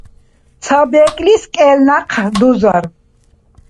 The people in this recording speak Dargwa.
Ца бекӀлис кӀел някъ дузар.